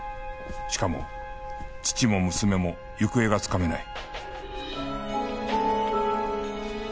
しかも父も娘も行方がつかめない